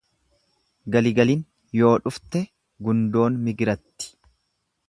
Gali galin yoo dhufte gundoon migiratti.